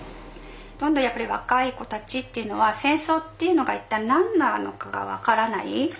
やっぱり若い子たちっていうのは戦争っていうのが一体何なのかが分からない。